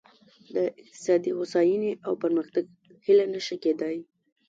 د اقتصادي هوساینې او پرمختګ هیله نه شي کېدای.